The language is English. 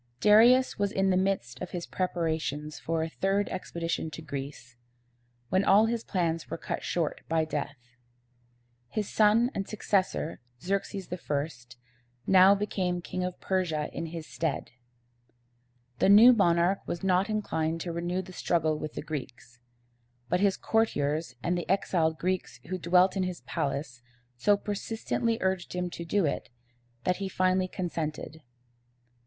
Darius was in the midst of his preparations for a third expedition to Greece, when all his plans were cut short by death. His son and successor, Xerx´es I., now became King of Persia in his stead. The new monarch was not inclined to renew the struggle with the Greeks; but his courtiers and the exiled Greeks who dwelt in his palace so persistently urged him to do it, that he finally consented.